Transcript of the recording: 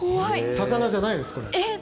魚じゃないです、これ。